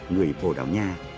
người bồ đào nha